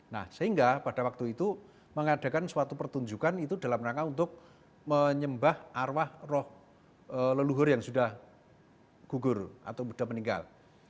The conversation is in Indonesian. nah sehingga pada waktu itu mengadakan suatu pertunjukan itu dalam rangka untuk menyembah arwah roh leluhur yang sudah gugur atau sudah meninggal